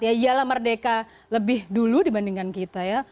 ya ialah merdeka lebih dulu dibandingkan kita ya